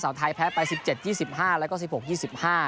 ไทยแพ้ไปสิบเจ็ดยี่สิบห้าแล้วก็สิบหกยี่สิบห้า